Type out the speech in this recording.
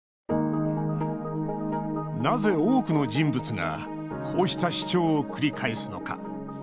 なぜ多くの人物がこうした主張を繰り返すのか。